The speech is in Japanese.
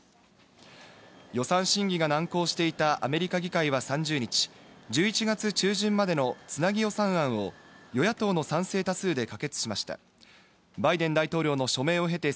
予算審議が難航していたアメリカ議会は３０日、１１月中旬までのつなぎ予算案を与野党の賛成多数で可決しました。